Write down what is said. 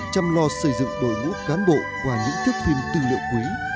chăm lo xây dựng đội ngũ cán bộ qua những thước phim tư liệu quý